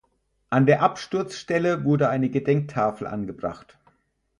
An der Absturzstelle wurde eine Gedenktafel angebracht.